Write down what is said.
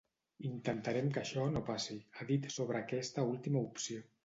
Intentarem que això no passi, ha dit sobre aquesta última opció.